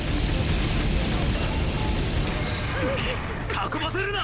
囲ませるな。